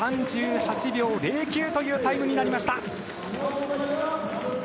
３８秒０９というタイムになりました。